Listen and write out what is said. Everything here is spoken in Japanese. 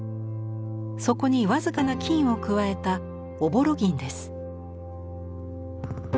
そこに僅かな金を加えた朧銀です。